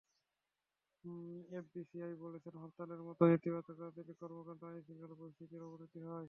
FBCCI বলেছে, হরতালের মতো নেতিবাচক রাজনৈতিক কর্মকাণ্ডে আইনশৃঙ্খলা পরিস্থিতির অবনতি হয়।